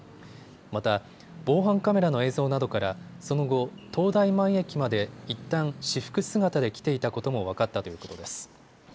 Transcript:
また防犯カメラの映像などからその後、東大前駅までいったん私服姿で来ていたことも分かったということです。